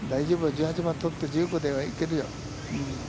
１８番取って、１５でいけるよ。